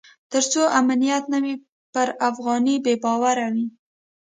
تر څو امنیت نه وي پر افغانۍ بې باوري وي.